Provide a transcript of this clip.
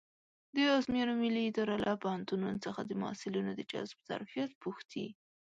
د ازموینو ملي اداره له پوهنتونونو څخه د محصلینو د جذب ظرفیت پوښتي.